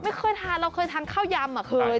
ไม่เคยทานเราเคยทานข้าวยำอ่ะเคย